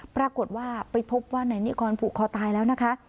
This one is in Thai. ปรากฏว่าไปพบว่านายนิกรผูกคอตายแล้วนะคะ